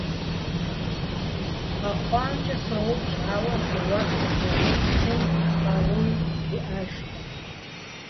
КъэхъуамкӀэ соупщӀ, ауэ жэуап къызэрызитын къаруи иӀэжкъым.